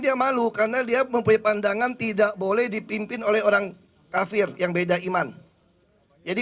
dia malu karena dia mempunyai pandangan tidak boleh dipimpin oleh orang kafir yang beda iman jadi